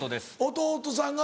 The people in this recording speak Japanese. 弟さんが。